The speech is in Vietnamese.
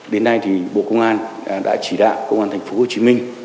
đến nay bộ công an đã chỉ đạo công an tp hcm